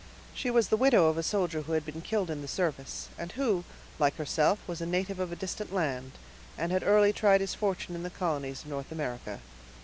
She was the widow of a soldier who had been killed in the service, and who, like herself, was a native of a distant island, and had early tried his fortune in the colonies of North America.